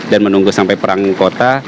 dan menunggu sampai perang kota